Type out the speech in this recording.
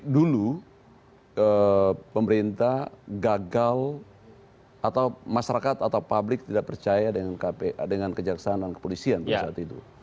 dulu pemerintah gagal atau masyarakat atau publik tidak percaya dengan kejaksaan dan kepolisian pada saat itu